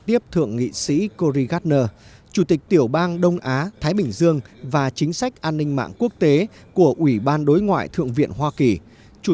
tiếp theo chương trình như thường lệ sẽ là câu chuyện của một người con ở xa xứ